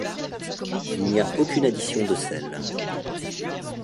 Il n'y a aucune addition de sel.